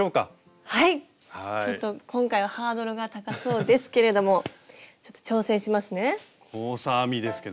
ちょっと今回はハードルが高そうですけれどもちょっと挑戦しますね。